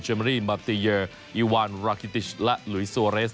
เมอรี่มาตีเยอร์อิวานรากิติชและหลุยโซเรส